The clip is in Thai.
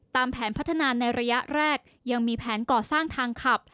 ตามแผนพัฒนาในระยะแรกยังมีแผนก่อสร้างทางขับ